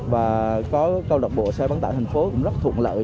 và có câu lạc bộ xe bán tải thành phố cũng rất thuận lợi